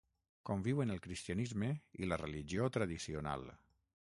Conviuen el cristianisme i la religió tradicional.